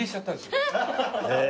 へえ。